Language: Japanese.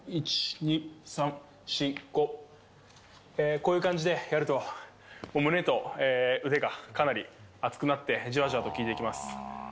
こういう感じでやると胸と腕がかなり熱くなってじわじわと効いてきます。